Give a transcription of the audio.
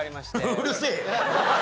うるせえ！